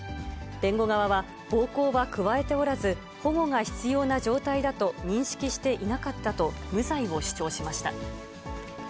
弁護側は、暴行は加えておらず、保護が必要な状態だと認識していなかったと、無罪を主張しました。